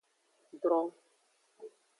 Dron.